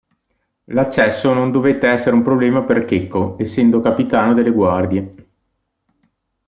L'accesso non dovette essere un problema per Checco, essendo capitano delle guardie.